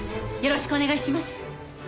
よろしくお願いします！